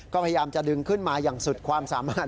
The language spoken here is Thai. ก็พยายามจะดึงขึ้นมาอย่างสุดความสามารถ